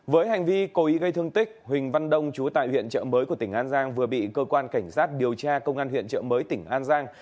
với hành vi cố ý gây thương tích huỳnh văn đông chú tại huyện trợ mới của tỉnh an giang vừa bị cơ quan cảnh sát điều tra công an huyện trợ mới tỉnh an giang